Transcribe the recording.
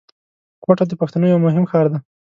کوټه د پښتنو یو مهم ښار دی